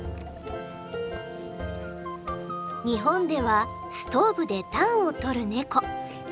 日本ではストーブで暖をとるネコ。